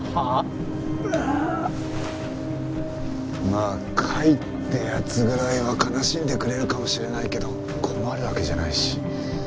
まあ甲斐って奴ぐらいは悲しんでくれるかもしれないけど困るわけじゃないし。